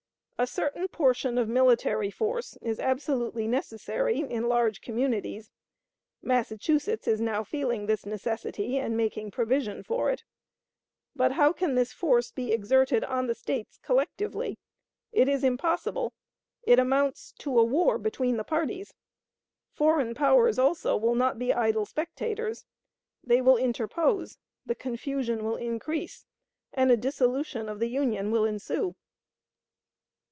A certain portion of military force is absolutely necessary in large communities. Massachusetts is now feeling this necessity, and making provision for it. But how can this force be exerted on the States collectively? It is impossible. It amounts to a war between the parties. Foreign powers, also, will not be idle spectators. They will interpose; the confusion will increase; and a dissolution of the Union will ensue."